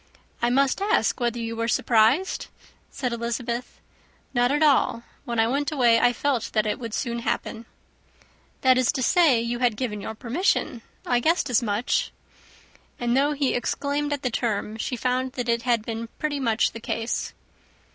"I must ask whether you were surprised?" said Elizabeth. "Not at all. When I went away, I felt that it would soon happen." "That is to say, you had given your permission. I guessed as much." And though he exclaimed at the term, she found that it had been pretty much the case.